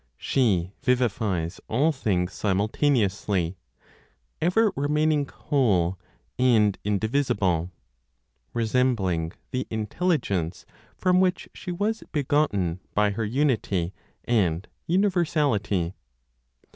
She vivifies all things simultaneously, ever remaining whole and indivisible, resembling the intelligence from which she was begotten by her unity and universality.